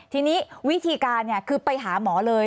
ทีนี้วิธีการคือไปหาหมอเลย